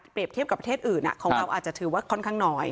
เทียบกับประเทศอื่นของเราอาจจะถือว่าค่อนข้างน้อย